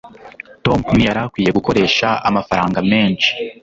tom ntiyari akwiye gukoresha amafaranga menshi